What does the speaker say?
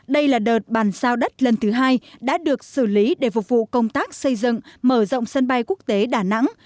đây là đợt bàn sao đất lần thứ hai đã được xử lý để phục vụ công tác xây dựng mở rộng sân bay quốc tế đà nẵng